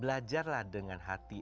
belajarlah dengan hati